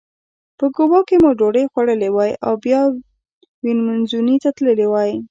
په کووا کې مو ډوډۍ خوړلې وای او بیا ویامنزوني ته تللي وای.